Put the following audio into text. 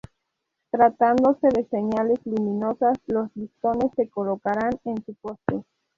Tratándose de señales luminosas los listones, se colocarán en su poste.